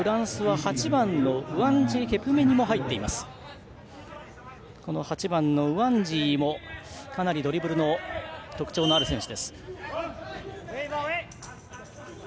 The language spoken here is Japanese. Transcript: ８番のウワンジケプメニもかなりドリブルに特徴がある選手。